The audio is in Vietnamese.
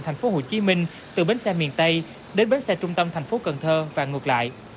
thành phố hồ chí minh từ bến xe miền tây đến bến xe trung tâm thành phố cần thơ và ngược lại